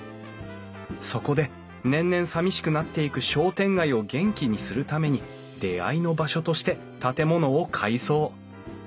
そこで年々さみしくなっていく商店街を元気にするために出会いの場所として建物を改装。